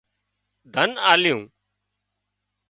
ڌنَ آليون